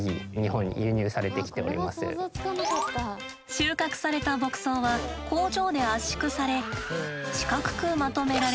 収穫された牧草は工場で圧縮され四角くまとめられます。